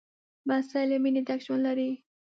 لمسی له مینې ډک ژوند لري.